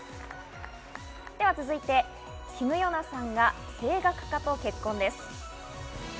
続いてキム・ヨナさんが声楽家と結婚です。